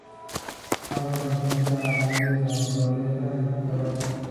Álvaro se encuentra en medio de la naturaleza salvaje.